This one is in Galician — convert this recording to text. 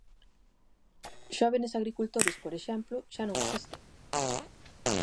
Xóvenes Agricultores, por exemplo, xa non existe.